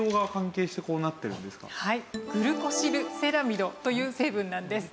グルコシルセラミドという成分なんです。